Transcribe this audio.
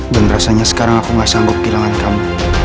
dan rasanya sekarang aku gak sanggup kehilangan kamu